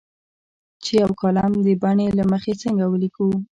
چې یو کالم د بڼې له مخې څنګه ولیکو.